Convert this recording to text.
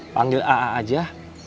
panggil a'a aja